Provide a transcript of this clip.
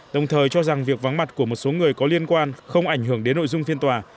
đồng thời cho rằng việc vắng mặt của một số người có liên quan không ảnh hưởng đến nội dung phiên tòa